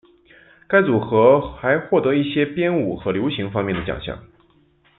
该组合还获得一些编舞和流行方面的奖项。